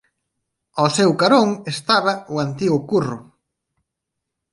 Ao seu carón estaba o antigo curro.